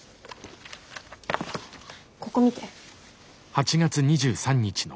ここ見て。